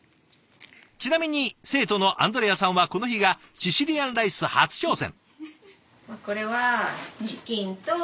ちなみに生徒のアンドレアさんはこの日がシシリアンライス初挑戦。